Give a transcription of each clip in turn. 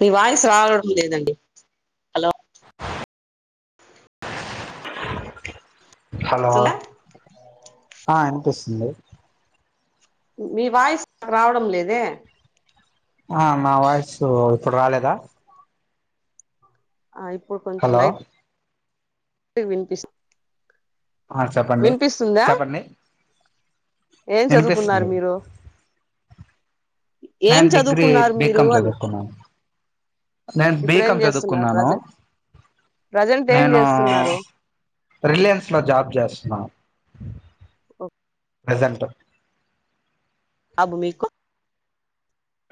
మీ voice రావడం లేదండి hello hello వస్తుందా ఆ ఇనిపిస్త్ [unintelligible] మీ వాయిస్ రావడం లేదే ఆ మా వాయిసు ఇప్పుడు రాలేదా ఇప్పుడు కొంచెం హలో లైట్ వినిపిస్త ఆ చెప్పండి చెప్పండి ఏం వినిపిస్తుంది చదువుకున్నారు మీరు ఏం నేన్ డిగ్రీ చదువుకున్నారు మీరు బికమ్ అన్న చదువుకున్నను నేను ఇప్పుడు ఏం బీకాం చేస్తున్నారు చదువుకున్నాను ప్రజెంట్ ప్రజెంట్ ఏం నేను చేస్తున్నారు రిలయన్స్ లో జాబ్ చేస్తున్నా ప్రెజెంట్ ఆ భూమికు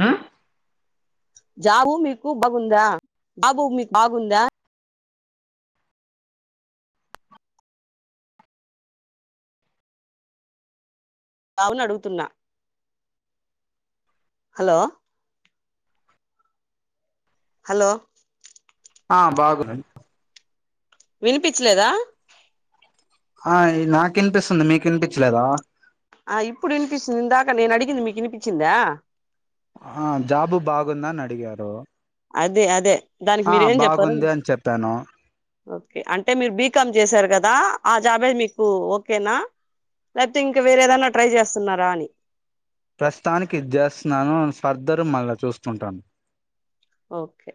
ఆ జాబు మీకు బాగుందా బాబు మీకు బాగుందా బావును అడుగుతున్నా హలో హలో ఆ బాగునండి వినిపించలేదా ఆ నాకు వినిపిస్తుంది మీకు వినిపించలేదా ఆ ఇప్పుడు వినిపిస్తుంది ఇందాకా నేను అడిగింది మీకు వినిపించిందా ఆ జాబు బాగుందని అడిగారు అదే అదే దానికి ఆ మీరేం చెప్పారో బాగుంది అని చెప్పాను ఓకే అంటే మీరు బీ కామ్ చేసారు కదా ఆ జాబే మీకు ఓకేనా లేకపోతే ఇంక వేరేదన్నా ట్రై చేస్తున్నారా అని ప్రస్తుతానికి ఇది చేస్తున్నాను ఫర్దర్ మళ్ళా చూస్తుంటాను ఓకే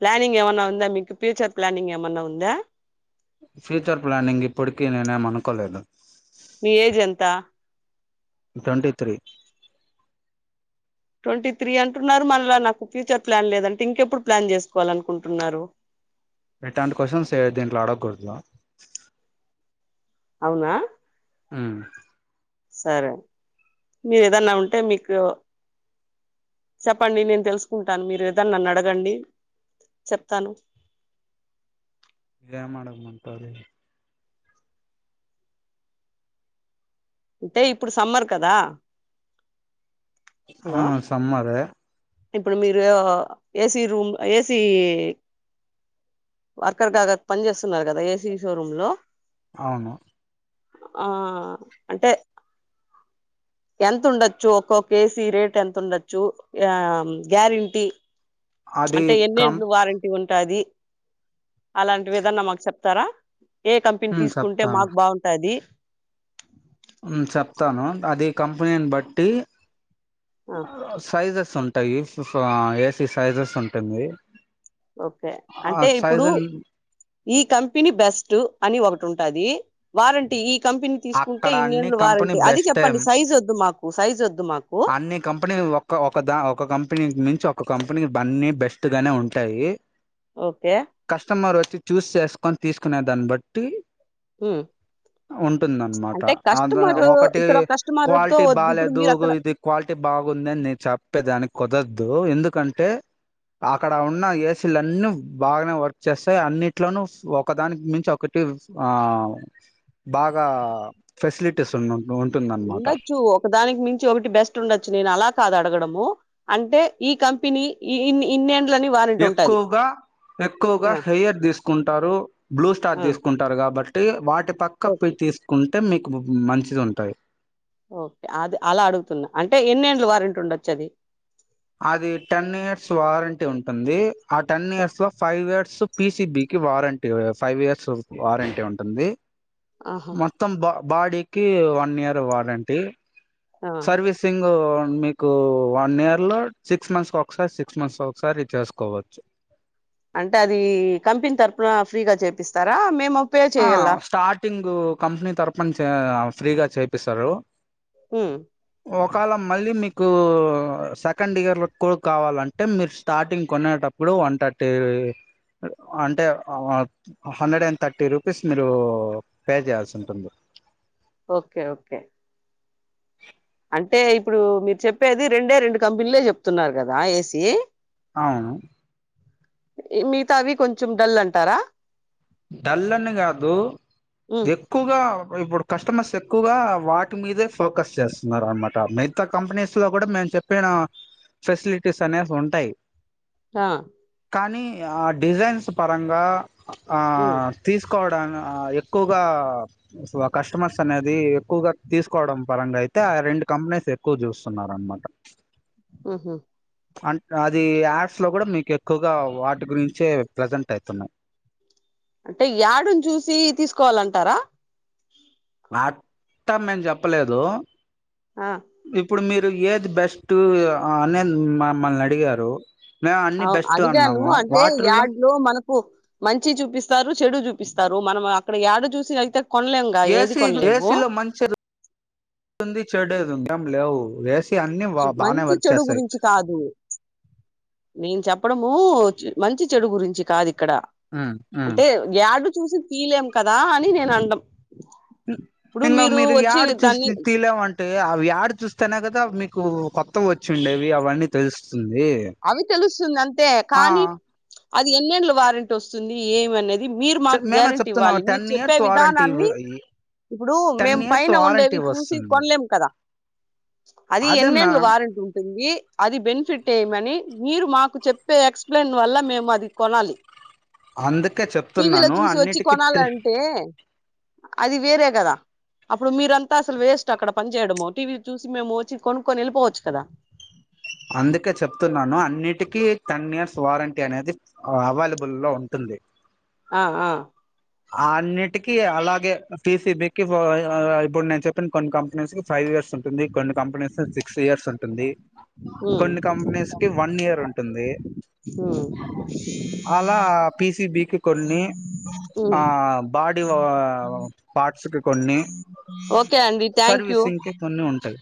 ప్లానింగ్ ఏమన్నా ఉందా మీకు ఫ్యూచర్ ప్లానింగ్ ఏమన్నా ఉందా ఫ్యూచర్ ప్లానింగ్ ఇప్పటికీ నేనే ము అనుకోలేదు మీ ఏజ్ ఎంత ట్వంటీ త్రీ ట్వంటీ త్రీ అంటున్నారు మన నాకు ఫ్యూచర్ ప్లాన్ లేదంటే ఇంకెప్పుడు ప్లాన్ చేసుకోవాలే అనుకుంటున్నారు ఎట్లాంటి క్వశ్చన్స్ దీంట్లో అడగకూడదు అవునా హు సరే మీరు ఏదన్నా ఉంటే మీకు చెప్పండి నేను తెలుసుకుంటాను మీరు ఏదనా నన్ను అడగండి చెప్తాను ఏం అడగమంటారు అంటే ఇప్పుడు సమ్మర్ కదా ఆ హలో సమ్మారే ఇప్పుడు మీరు ఏసీ రూమ్ ఏసీ వర్కర్ గా పని చేేస్తున్నారు కదా ఏసీ షోరూమ్ లో అవును ఆ అంటే ఎంత ఉండొచ్చు ఒక్కొ ఏసీ రేట్ ఎంత ఉండొచ్చు ఆ గ్యారెంటీ అది అంటే కం ఏండ్లు వారంటీ ఉంట ఉంటది అలాంటి ఏదన్న మాకు చెప్తారా ఏ కంపెనీ ఉమ్ తీసుకుంటే చెప్తాను మాకు బాగుంటాది హు చెప్తాను అది కంపెనీని బట్టి ఆ సైజ స్ ఉంటాయి ఏసీ సైజస్ ఉంటుంది ఓకే ఆ అంటే ఇప్పుడు సైజ్ ఈ కంపెనీ బెస్ట్ అని ఒకటి ఉంటది వారంటీ కంపెనీ తీసుకుంటే అక్కడ అన్ని ఇన్నేండ్లు కంపెనీ వారంటీ అది బెస్ట్ చెప్పండి సైజ్ వద్దు మాకు సైజ్ వద్దు మాకు అన్ని కంపెనీ ఒక ఒక దా ఒక కంపెనీ మించి ఒక ఒక కంపెనీ అన్నీ బెస్ట్ గానే ఉంటాయి ఓకే కస్టమర్ వ చూస్ చేసుకొని తీసుకునే దాన్ని బట్టి హు ఉంటుందన్నమాట అ ఒకటి కస్టమర్ తో క్వాలిటీ వద్దు ఇప్పుడు బాలేదు మీరు అక్కడ ఇది క్వాలిటీ బాగుంది అని నేను చెప్పేదానికి కుదరదు ఎందుకంటే అక్కడ ఉన్న ఏసీలున్నీ బాగానే వర్క్ చేస్తాయి అన్నిట్లోను ఒకదానికి మించి ఒకటి బా గా ఫెసిలిటీస్ ఉన్నా ఉండొచ్చు ఒకదానికి మించి ఒకటి బెస్ట్ ఉండొచ్చు నేను అలా కాదు అడగడము అంటే ఈ కంపెనీ ఇ ఇన్నే ఎక్కువగా ఎక్కువగా ఆ హెయర్ తీసుకుంటారు, బ్లూ స్టార్ ఆ తీసుకుంటారు కాబట్ వాటి పక్క ఓకే పొయి తీసుకుంటే అంటే మీకు మంచిది ఉంటాయి ఓకే అది అలా అడుగుతున్నా అంటే ఎన్నేళ్లు వారంటీ ఉండొచ్చు అది? అది టెన్ ఇయర్స్ వారంటీ ఉంటుంది ఆ టెన్ ఓకే. ఇయర్స్ లో ఫైవ్ ఇయర్స్ పిసిబికి వారంటీ ఫైవ్ ఇయర్స్ వారంటీ ఉంటుంది. ఆహా మొత్తం బా బాడీకి వన్ ఇయర్ వారంటీ ఆ సర్వీసింగ్ మీకు వన్ ఇయర్ లో సిక్స్ మంత్స్ కి ఒకసారి సిక్స్ మంత్స్ కి ఒకసారి చేసుకోవచ్చు అంటే అది కంపెనీ తరపున ఫ్రీగా చేపిస్తారా మేము పే ఆ చేయాలా స్టార్టింగ్ కంపెనీ తరపున చె ఫ్రీగా చేపిస్తారు ఉమ్ ఓక వేల మళ్ళీ మీకు కు సెకండ్ ఇయర్ కూడా కావాలంటే మీరు స్టార్టింగ్ కొనేటప్పుడు వన్ థర్టీ అంటే హండ్రెడ్ అండ్ థర్టీ రూ రూపీస్ మీరు పే చేయాల్సి ఉంటుంది ఓకే ఓకే అంటే ఇప్పుడు మీరు చెప్పేది రెండే రెండు కంపెనీలే చెప్తున్నారు కదా ఏసి అవును మిగతావి కొంచెం డల్ అంటారా డల్ అని కాదు ఉమ్ ఎక్కువగా ఇప్పుడు కస్టమర్స్ ఎక్కువగా వాటి మీదే ఫోకస్ చేస్తున్నారు అనమాట మిగతా కంపెనీస్ లో కూడా మేము చెప్పిన ఫెసిలిటీస్ అనేవి ఉంటాయి ఆ కానీ ఆ డిజైన్స్ పరంగా ఆ ఉమ్ తీసుకు తీసుకోవడా ఎక్కువగా కస్టమర్స్ అనేది ఎక్కువగా తీసుకోవడం పరంగా అయితే ఆ రెండు కంపెనీస్ ఎక్కువ చూస్తున్నారు అనమాట హ్ హ్ అంట అది యాడ్స్ లో కూడా మీకు ఎక్కువగా వాటి గురించే ప్రజెంట్ అయితున్నాయి అంటే యాడుని చూసి తీసుకోవాలంటారా అట్ట మేము చెప్పలేదు ఇప్పుడు మీరు ఏది బెస్ట్ అనే మమ్మల్ని అడిగారు మేము అన్ని ఆ బెస్ట్ అడిగాను అన్నాము అంటే వాటర్లో యాడ్ లో మన మంచి చూపిస్తారు చెడు చూపిస్తారు మనం అక్కడ యాడ్ చూసి అయితే కొనలేముగా ఏ ఏది సీ ఏ కొనలేము సీ లో మంచి [inaudible] ఉంది చెడేది ఉంది ఏం లేవు వేస్ చి మంచి చెడు గురించి కాదు నేను చ ప్పడము మంచి చెడు గురించి కాది క్కడ ఉమ్ ఉమ్ అంటే గ్యాడు చూసి తీలేం కదా అని నేను అన్డం ఇంగా మీరు యాడ దాన్ని చూస్తి తీలేమంటే అవి యడ చూస్ తనే కదా మీకు కొత్తవి వచ్చిండేవి అవన్నీ తెలుస్ అవి తెలుస్తుంది అంతే ఆ కానీ అది ఎన్నెల్లు వారెంటీ వస్తుంది ఏమనే ఇది మీరు చె- మాకు మేమే గ్యారెంటీ చెప్తున్నాము ఇవ్వాలి మీరు టెన్ చెప్పే ఇయర్స్ వారంటీ విధానాన్ని ఇప్పుడు టెన్ మేం ఇయర్స్ పైన వారంటీ ఉండేవి చూసి వస్తుంది కొనలేం కదా అది అదే ఎన్నేళ్లు మ్యామ్ వారెంటీ ఉంటుంది అది బెనిఫిట్టె అని మీరు మాకు చెప్పే ఎక్స్ప్లెయిన్ వల్ల మేము అది కొనాలి అందుకే టీవీలో చెప్తున్నాను చూసి వచ్చి అన్నిటికి కొనాలంటే అది వేరే కదా అప్పుడు మీరంతా అసలు వేస్ట్ అక్కడ పని చేేయడము టీవీ చూసి మేము వచ్చి కొనుక్కొని వెళ్ళిపోవచ్చు కదా అందుకే చెప్తున్నాను అన్నిటికీ టెన్ ఇయర్స్ వారంటీ అనేది అవైలబుల్ లో ఉంటుంది ఆ ఆ ఆన్ని టికి అలాగే పిసిబికి ఇప్పుడు నేను చెప్పిన కొన్ని కంపెనీస్ కి ఫైవ్ ఇయర్స్ ఉంది కొన్ని కంపెనీస్ సిక్స్ ఇయర్స్ ఉంటుంది ఉమ్ కొన్ని కంపెనీస్ కి వన్ ఇయర్ ఉంటుంది ఉమ్ అలా పిసిబికి కొన్ని ఉమ్ ఆ బాడీ పార్ట్స్ కి కొన్ని ఓకే అండి థ్యాంక్ యూ సర్వీసింగ్కి కొన్ని ఉంటాయి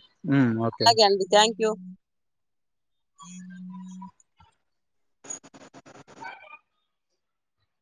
ఓకే అలాగే అండి థ్యాంక్యూ